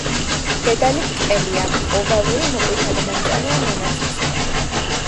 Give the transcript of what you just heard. დედალი ბრტყელია, ოვალური, მოყვითალო-მომწვანო ან მონაცრისფრო.